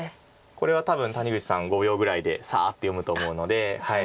これは多分谷口さん５秒ぐらいでさあっと読むと思うので。